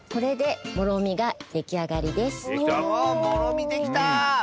もろみできた！